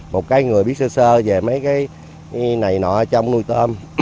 một cái người biết sơ sơ về mấy cái này nọ trong nuôi tôm